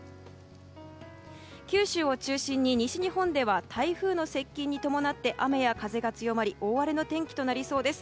九州を中心に西日本では台風の接近に伴って雨や風が強まり大荒れの天気となりそうです。